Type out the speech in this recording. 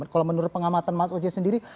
kalau menurut pengamatan mas oj sendiri